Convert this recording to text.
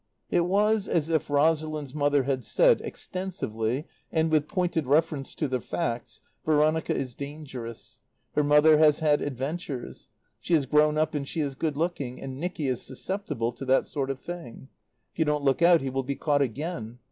It was as if Rosalind's mother had said, extensively and with pointed reference to the facts: "Veronica is dangerous. Her mother has had adventures. She is grown up and she is good looking, and Nicky is susceptible to that sort of thing. If you don't look out he will be caught again.